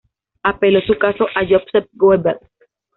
Apeló su caso a Joseph Goebbels.